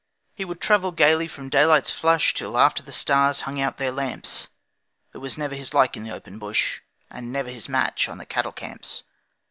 He would travel gaily from daylight's flush Till after the stars hung out their lamps, There was never his like in the open bush, And never his match on the cattle camps.